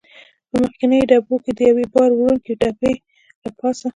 په مخکنیو ډبو کې د یوې بار وړونکې ډبې له پاسه.